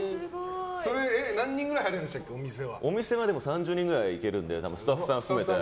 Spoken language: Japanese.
お店は３０人ぐらいいけるんでスタッフさん含めて。